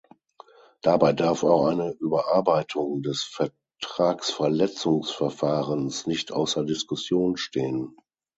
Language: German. Dabei darf auch eine Überarbeitung des Vertragsverletzungsverfahrens nicht außer Diskussion stehen.